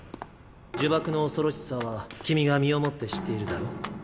呪縛の恐ろしさは君が身をもって知っているだろ。